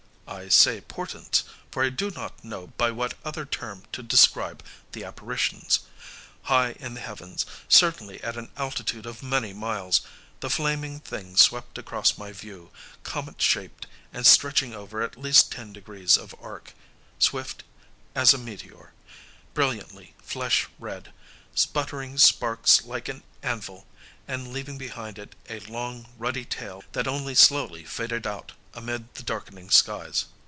I say "portents," for I do not know by what other term to describe the apparitions; high in the heavens, certainly at an altitude of many miles, the flaming thing swept across my view, comet shaped and stretching over at least ten degrees of arc, swift as a meteor, brilliantly flesh red, sputtering sparks like an anvil, and leaving behind it a long ruddy trail that only slowly faded out amid the darkening skies.